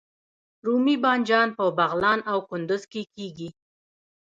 رومي بانجان په بغلان او کندز کې کیږي